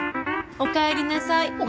おかえりなさい。